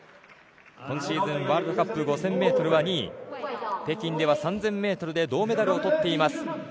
今シーズン、ワールドカップ５０００ｍは２位北京では３０００ｍで銅メダルをとっています。